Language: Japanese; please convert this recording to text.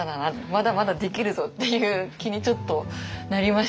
まだまだできるぞ！っていう気にちょっとなりましたね。